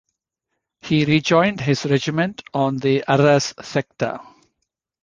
He rejoined his regiment on the Arras sector.